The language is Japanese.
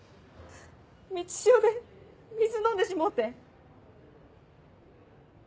満ち潮で水飲んでしもうて。